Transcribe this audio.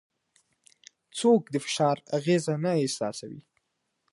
څوک د فشار اغېزه نه احساسوي؟